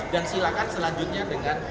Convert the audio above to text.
dan silakan selanjutnya dengan